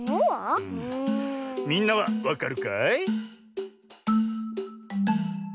みんなはわかるかい？